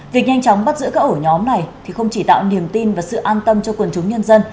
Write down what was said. việc nhanh chóng bắt giữ các ổ nhóm này không chỉ tạo niềm tin và sự an tâm cho quần chúng nhân dân